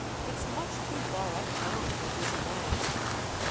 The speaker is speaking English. It's much too far uptown for a busy man."